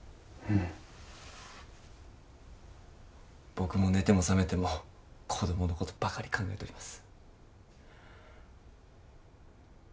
僕も寝ても覚めても子どものことばかり考えとります。